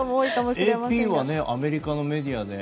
ＡＰはアメリカのメディア